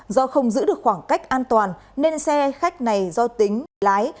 do không giữ được khoảng cách an toàn nên xe khách này do tính lái